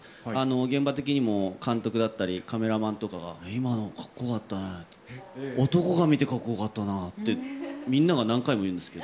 現場的にも、監督だったり、カメラマンとかが、今の演技、かっこよかったねって、男が見てかっこよかったなって、みんなが何回も言うんですけど。